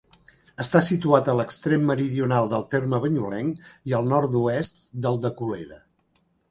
Està situat a l'extrem meridional del terme banyulenc i al nord-oest del de Colera.